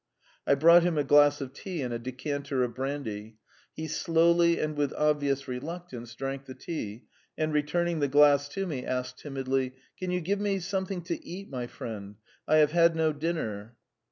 I brought him a glass of tea and a decanter of brandy. He slowly and with obvious reluctance drank the tea, and returning the glass to me, asked timidly: "Can you give me ... something to eat, my friend? I have had no dinner."